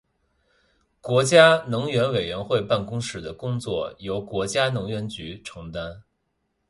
国家能源委员会办公室的工作由国家能源局承担。